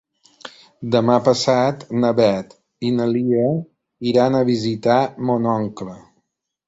Demà passat na Beth i na Lia iran a visitar mon oncle.